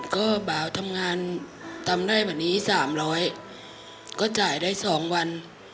ก็เบาทำงานทำได้แบบนี้สามร้อยก็จ่ายได้สองวัน